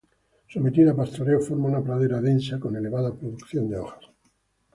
Sometida a pastoreo forma una pradera densa con elevada producción de hojas.